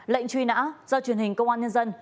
lệnh truy nã do truyền hình công an nhân dân